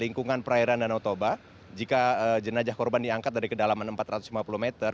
lingkungan perairan danau toba jika jenajah korban diangkat dari kedalaman empat ratus lima puluh meter